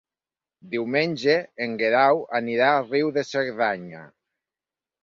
Diumenge en Guerau anirà a Riu de Cerdanya.